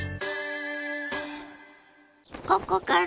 ここから？